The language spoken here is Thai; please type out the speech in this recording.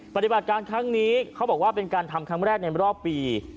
ปฏิบัติการครั้งนี้เขาบอกว่าเป็นการทำครั้งแรกในรอบปี